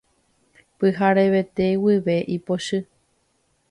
Pyharevete guive ipochy.